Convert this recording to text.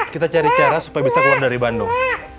kita cari cara supaya bisa keluar dari bandung